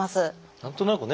何となくね